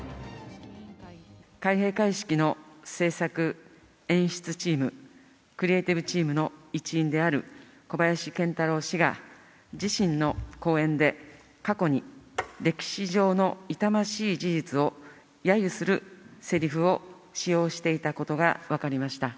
開閉会式の制作演出チーム、クリエーティブチームの一員である、小林賢太郎氏が、自身の公演で、過去に歴史上の痛ましい事実をやゆするせりふを使用していたことが分かりました。